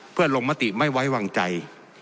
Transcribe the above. เพื่อลงมติไม่ไว้วางใจ